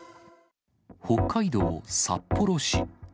北海道札幌市。